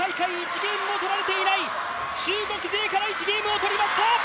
ゲームも取られていない中国勢から１ゲームを取りました。